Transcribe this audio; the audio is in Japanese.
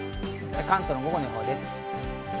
関東の午後の予報です。